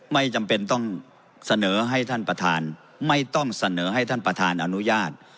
ไม่จำเป็นต้องเสนอให้ท่านประธานไม่ต้องเสนอให้ท่านประธานอนุญาต